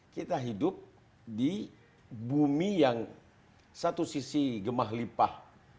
kita hidup di bumi yang satu sisi gemah lipah